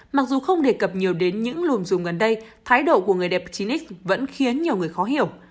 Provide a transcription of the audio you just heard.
mặc dù không đề cập nhiều đến những lùm dù gần đây thái độ của người đẹp chín x vẫn khiến nhiều người khó hiểu